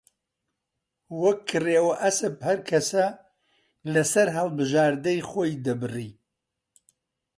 وەک گرێوە ئەسپ هەر کەسە لە سەر هەڵبژاردەی خۆی دەبڕی